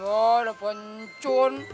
ya udah pencun